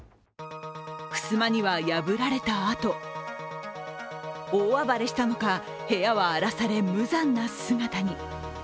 ふすまには破られたあと、大暴れしたのか、部屋は荒らされ、無残な姿に。